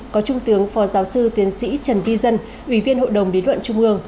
có trung tướng phó giáo sư tiến sĩ trần vi dân ủy viên hội đồng lý luận trung ương